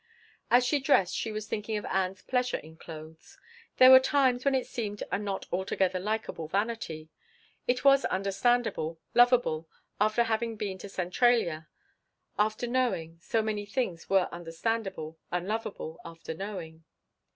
As she dressed she was thinking of Ann's pleasure in clothes. There were times when it had seemed a not altogether likeable vanity. It was understandable lovable after having been to Centralia, after knowing. So many things were understandable and lovable after knowing.